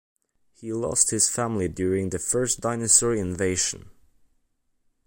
He lost his family during the first Dinosaur invasion.